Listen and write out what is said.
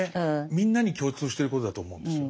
みんなに共通してることだと思うんですよ。